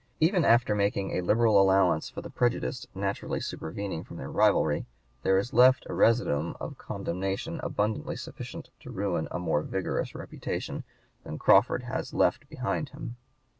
Even after making a liberal allowance for the prejudice naturally supervening from their rivalry there is left a residuum of condemnation abundantly sufficient to ruin a more vigorous reputation than Crawford has left behind him.